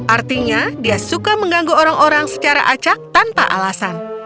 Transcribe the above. artinya dia suka mengganggu orang orang secara acak tanpa alasan